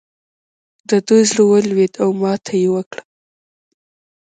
د دوی زړه ولوېد او ماته یې وکړه.